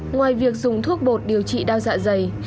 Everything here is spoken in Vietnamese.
ngoài việc dùng thuốc bột điều trị đau dạ dày